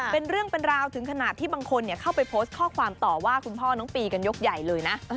เป็นเรื่องเป็นราวถึงขนาดที่บางคนเข้าไปโพสต์ข้อความต่อว่าคุณพ่อน้องปีกันยกใหญ่เลยนะ